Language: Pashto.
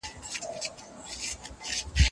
که خطا ثابته نه سي، ایا طلاق واقع کیږي؟